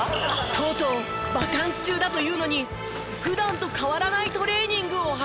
とうとうバカンス中だというのに普段と変わらないトレーニングを始めました。